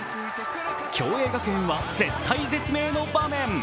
共栄学園は絶体絶命の場面。